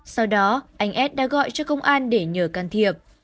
sau đó anh ad đã gọi cho công an để nhờ can thiệp